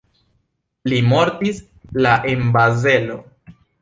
Li mortis la en Bazelo.